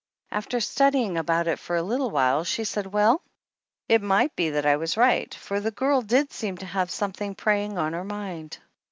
After studying about it for a little while she said well, it might be that I was right, for the girl did seem to have something preying on her mind.